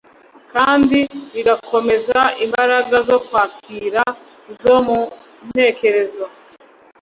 kandi bigakomeza imbaraga zo kwakira zo mu ntekerezo.